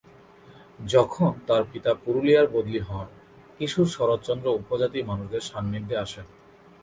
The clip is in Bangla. যখন তাঁর পিতা পুরুলিয়ায় বদলি হন, কিশোর শরৎচন্দ্র উপজাতি মানুষদের সান্নিধ্যে আসেন।